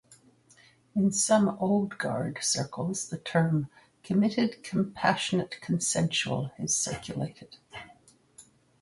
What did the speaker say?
In some "old-guard" circles the term "Committed Compassionate Consensual" is circulated.